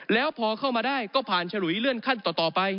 แล้วพอเข้ามาได้ก็ผ่านฉลุยเลื่อนขั้นต่อไป